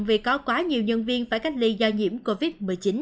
vì có quá nhiều nhân viên phải cách ly do nhiễm covid một mươi chín